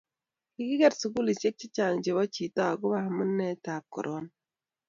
kikiker sukulisiek che chang' chebo chito akubo amunetab korona